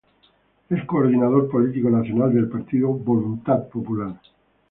Es coordinador político nacional del partido Voluntad Popular.